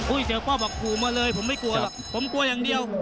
เสียพ่อบอกขู่มาเลยผมไม่กลัวหรอกผมกลัวอย่างเดียว